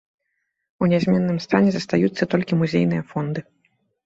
У нязменным стане застаюцца толькі музейныя фонды.